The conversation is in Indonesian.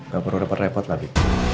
gak perlu dapat repot lagi